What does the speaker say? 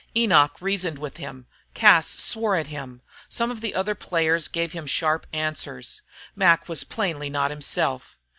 Enoch reasoned with him, Cas swore at him, some of the other players gave him sharp answers. Mac was plainly not himself.